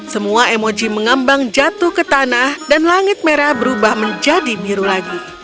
semua emoji mengambang jatuh ke tanah dan langit merah berubah menjadi biru lagi